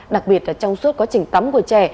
đặc biệt là trong suốt quá trình tắm của trẻ